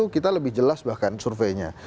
kita lebih jelas bahkan surveinya